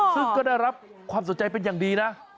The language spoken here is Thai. ซึ่งก็ได้รับความสนใจเป็นอย่างดีนะ